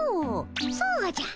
そうじゃ！